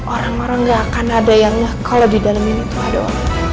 orang orang gak akan ada yang kalau di dalam ini tuh ada orang